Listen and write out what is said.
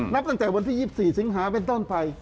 นับตั้งแต่วันที่๒๔สิงหาเป็นต้นไป